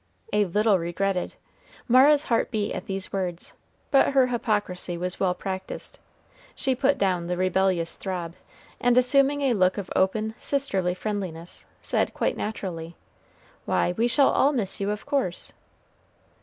"A little regretted!" Mara's heart beat at these words, but her hypocrisy was well practiced. She put down the rebellious throb, and assuming a look of open, sisterly friendliness, said, quite naturally, "Why, we shall all miss you, of course."